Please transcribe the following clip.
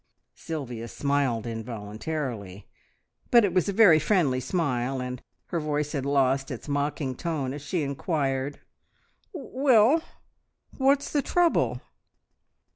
Sylvia smiled involuntarily, but it was a very friendly smile, and her voice had lost its mocking tone as she inquired "Well what's the trouble?"